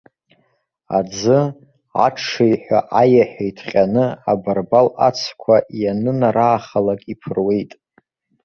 Аӡы, аҽыҩҳәа аиаҳәа иҭҟьаны абарбал ацқәа ианынараахалак иԥыруеит.